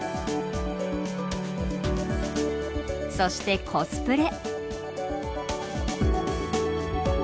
そしてコスプレ。